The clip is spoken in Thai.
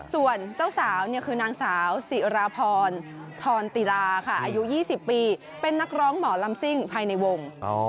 ส่วนเจ้าสาวคือนางสาวสิราพรธรติลาค่ะอายุ๒๐ปีเป็นนักร้องหมอลำซิ่งภายในวง